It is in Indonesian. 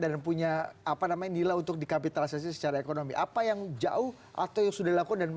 dan punya apa namanya nilai untuk dikapitalisasi secara ekonomi apa yang jauh atau sudah laku dan